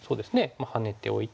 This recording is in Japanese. まあハネておいて。